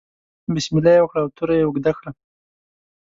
بسم الله یې وکړه او توره یې اوږده کړه.